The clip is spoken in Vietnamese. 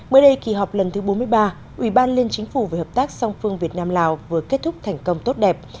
mới đây kỳ họp lần thứ bốn mươi ba ủy ban liên chính phủ về hợp tác song phương việt nam lào vừa kết thúc thành công tốt đẹp